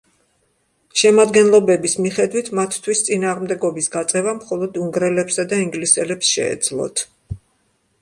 შემადგენლობების მიხედვით მათთვის წინააღმდეგობის გაწევა მხოლოდ უნგრელებსა და ინგლისელებს შეეძლოთ.